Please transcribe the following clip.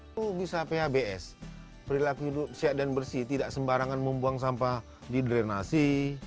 itu bisa phbs perilaku hidup sehat dan bersih tidak sembarangan membuang sampah di drenasi